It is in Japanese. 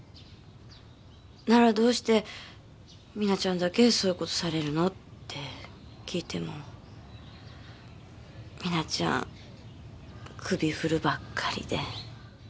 ならどうして実那ちゃんだけそういうことされるの？って聞いても実那ちゃん首振るばっかりで。